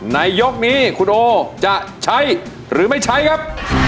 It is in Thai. ในยกนี้คุณโอจะใช้หรือไม่ใช้ครับ